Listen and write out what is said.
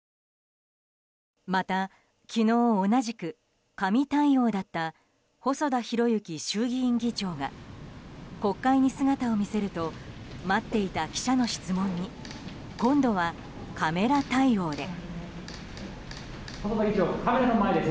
また、昨日同じく紙対応だった細田博之衆院議長が国会に姿を見せると待っていた記者の質問に今度はカメラ対応で。